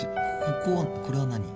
ここはこれは何？